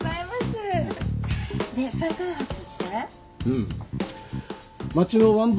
うん。